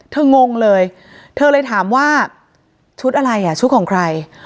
งงเลยเธอเลยถามว่าชุดอะไรอ่ะชุดของใคร